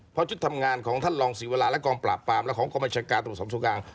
เพราะชุดทำงานของท่านรองศรีวราและกองปราบปรามและของกองบัญชาการตรวจสอบส่วนกลาง